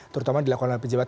terutama dilakukan oleh pejabat